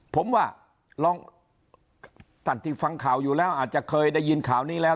ผมว่าลองท่านที่ฟังข่าวอยู่แล้วอาจจะเคยได้ยินข่าวนี้แล้ว